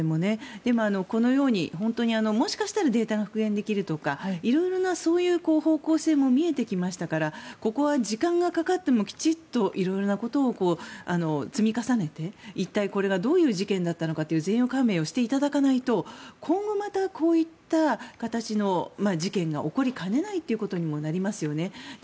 でも、このように本当にもしかしたらデータが復元できるとか色々な、そういう方向性も見えてきましたからここは時間がかかってもきちんと色々なことを積み重ねて一体これがどういう事件だったのかという全容解明をしていただかないと今後またこういった形の事件が起こりかねないということになりますよね。